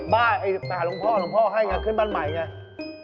บ้านไปหาลงพ่อลงพ่อให้นะขึ้นบ้านใหม่ใช่ไหม